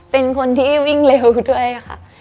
เป็นคนที่วิ่งเร็วด้วยค่ะ